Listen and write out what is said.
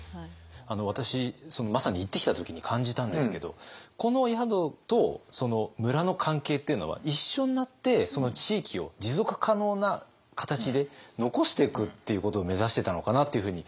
私まさに行ってきた時に感じたんですけどこの宿と村の関係っていうのは一緒になってその地域を持続可能な形で残していくっていうことを目指してたのかなというふうに。